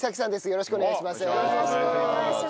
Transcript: よろしくお願いします。